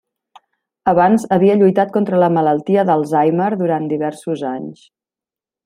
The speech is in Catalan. Abans, havia lluitat contra la malaltia d'Alzheimer durant diversos anys.